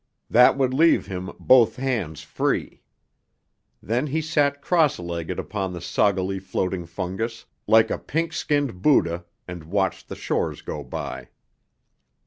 That would leave him both hands free. Then he sat cross legged upon the soggily floating fungus, like a pink skinned Buddha, and watched the shores go by.